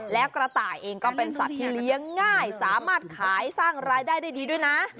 แล้วกระต่ายเองก็เป็นสัตว์ที่เลี้ยงง่ายสามารถขายสร้างรายได้ได้ดีด้วยนะ